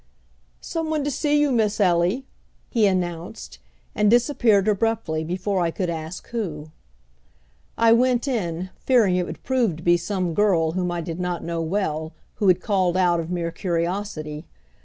"Some one to see you, Miss Ellie," he announced, and disappeared abruptly before I could ask who. I went in, fearing it would prove to be some girl whom I did not know well, who had called out of mere curiosity.